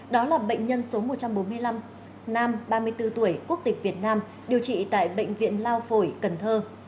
đó là bệnh nhân số một trăm bốn mươi năm nam ba mươi bốn tuổi quốc tịch việt nam điều trị tại bệnh viện lao phổi cần thơ